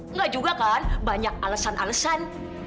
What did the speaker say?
enggak juga kan banyak alesan alesan